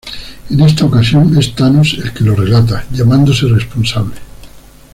En esta ocasión, es Thanos el que lo relata, llamándose responsable.